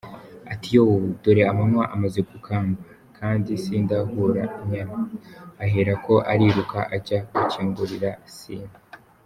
Ati “Yooo! Dore amanywa amaze gukamba, kandi sindahura inyana!” Aherako ariruka, ajya gukingurira Sine.